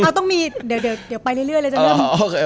อ้าวต้องมีเดี๋ยวไปเรื่อยเลยจะเริ่ม